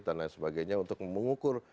dan lain sebagainya untuk mengukur